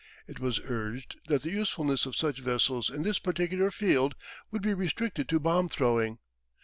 It was urged that the usefulness of such vessels in this particular field would be restricted to bomb throwing.